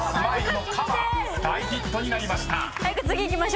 ［大ヒットになりました］